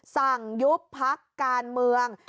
สั่งยุบพักการเมือง